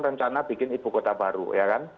rencana bikin ibu kota baru ya kan